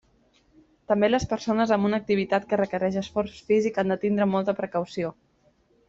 També les persones amb una activitat que requerix esforç físic han de tindre molta precaució.